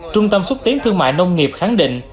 trung tâm xuất tiến thương mại nông nghiệp khẳng định